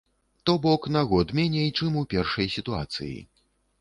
То бок на год меней, чым у першай сітуацыі.